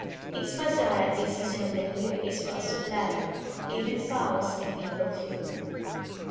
Its bazar at this season of the year is well supplied: even fowls can be procured.